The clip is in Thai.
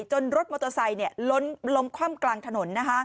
รถมอเตอร์ไซค์ล้มคว่ำกลางถนน